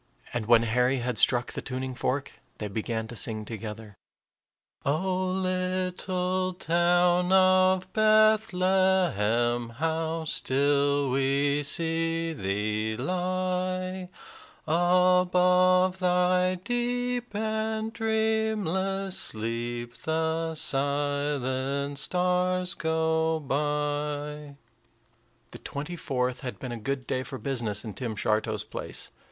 And when Harry had struck the tuning fork, they began to sing together, "O little town of Bethlehem, How still we see thee lie! Above thy deep and dreamless sleep The silent stars go by." The twenty fourth had been a good day for business in Tim Shartow's place.